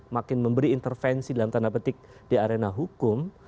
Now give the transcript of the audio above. makin memberi intervensi dalam tanda petik di arena hukum